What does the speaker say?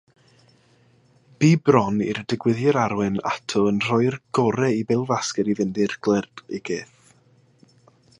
Bu bron i'r digwyddiad arwain ato'n rhoi'r gorau i bêl-fasged i fynd i'r glerigaeth.